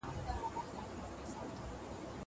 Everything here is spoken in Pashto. اوس بيا بل رنګه حساب دی